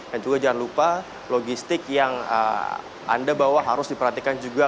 dan juga jangan lupa logistik yang anda bawa harus diperhatikan juga